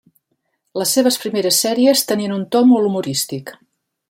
Les seves primeres sèries tenien un to molt humorístic.